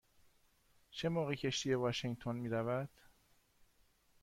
چه موقع کشتی به واشینگتن می رود؟